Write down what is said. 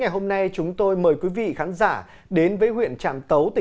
xin chào và hẹn gặp lại